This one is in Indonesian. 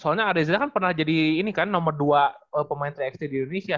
soalnya areza kan pernah jadi ini kan nomor dua pemain tiga x tiga di indonesia